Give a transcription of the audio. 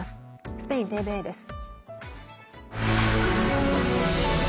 スペインＴＶＥです。